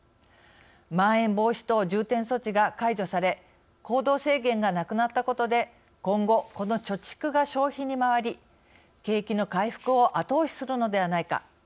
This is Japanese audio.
まん延防止等重点措置が解除され行動制限がなくなったことで今後この貯蓄が消費に回り景気の回復を後押しするのではないか。